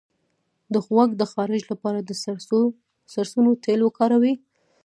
د غوږ د خارش لپاره د سرسونو تېل وکاروئ